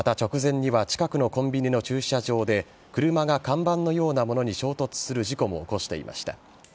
また、直前には近くのコンビニの駐車場で車が看板のようなものに衝突する事故も起こしていました。